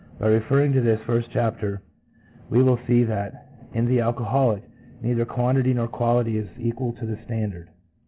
By referring to the first chapter we will see that in the alcoholic neither quantity nor quality is equal to the standard.